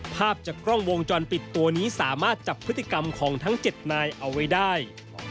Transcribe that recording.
ภาพจากกล้องวงจรปิดตัวนี้สามารถจับพฤติกรรมของทั้ง๗นายเอาไว้ได้